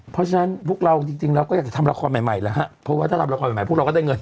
เพราะฉะนั้นพวกเราจริงเราก็อยากจะทำละครใหม่แล้วฮะเพราะว่าถ้าทำละครใหม่พวกเราก็ได้เงิน